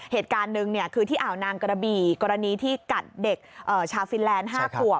เหตุการณ์หนึ่งคือที่อ่าวนางกระบี่กรณีที่กัดเด็กชาวฟินแลนด์๕ขวบ